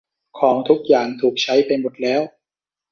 ของทุกอย่างถูกใช้ไปหมดแล้ว